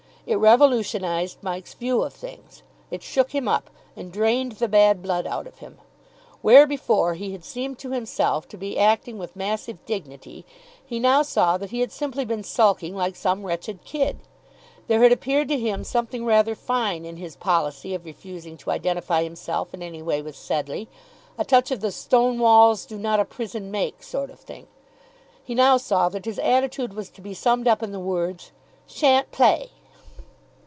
It revolutionised Mike's view of things. It shook him up, and drained the bad blood out of him. Where, before, he had seemed to himself to be acting with massive dignity, he now saw that he had simply been sulking like some wretched kid. There had appeared to him something rather fine in his policy of refusing to identify himself in any way with Sedleigh, a touch of the stone walls do not a prison make sort of thing. He now saw that his attitude was to be summed up in the words, "Sha'n't play."